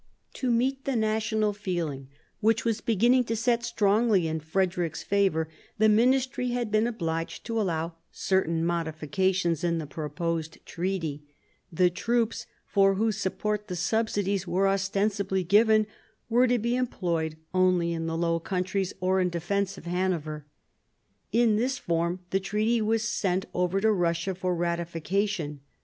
To meet the national feeling which was beginning to set strongly in Frederick's favour, the ministry had been obliged to allow certain modifications in the proposed treaty ; the troops, for whose support the subsidies were ostensibly given, were to be employed only in the Low Countries or in defence of Hanover. In this form the treaty was sent over to Russia for ratification.